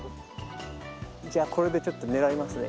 じゃあこれでちょっと狙いますね。